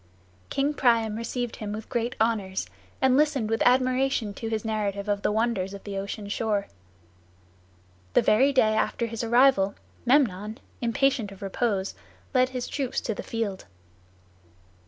King Priam received him with great honors, and listened with admiration to his narrative of the wonders of the ocean shore. The very day after his arrival, Memnon, impatient of repose, led his troops to the field.